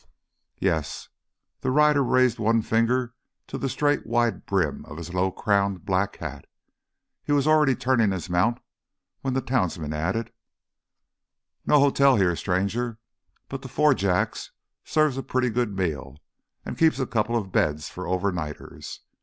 "Yes." The rider raised one finger to the straight wide brim of his low crowned black hat. He was already turning his mount when the townsman added: "No hotel here, stranger. But the Four Jacks serves a pretty good meal and keeps a couple of beds for overnighters.